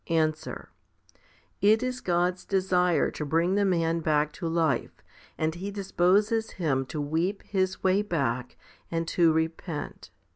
Answer. It is God's desire to bring the man back to life, and He disposes him to weep his way back and to repent.